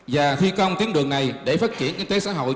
và thi công tuyến đường này để phát triển kinh tế xã hội